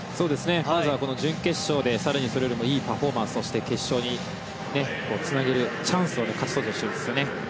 まずは準決勝で更にそれよりもいいパフォーマンスをして決勝につなげるチャンスを勝ち取ってほしいですね。